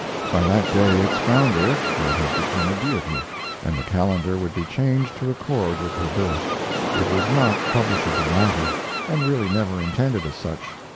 By that day its founder would have become a deity, and the calendar would be changed to accord with her birth. It was not publishable matter, and really never intended as such.